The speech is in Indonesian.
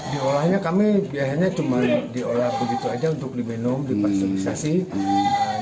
diolahnya kami biar hanya cuma diolah begitu aja untuk diminum dipaksa di stasiun